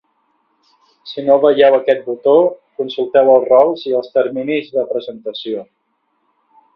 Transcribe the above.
Si no veieu aquest botó consulteu els rols i els terminis de presentació.